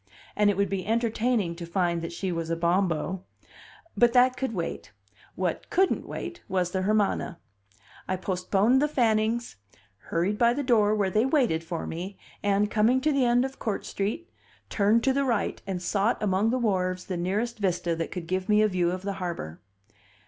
And it would be entertaining to find that she was a Bombo; but that could wait; what couldn't wait was the Hermana. I postponed the Fannings, hurried by the door where they waited for me, and, coming to the end of Court Street, turned to the right and sought among the wharves the nearest vista that could give me a view of the harbor.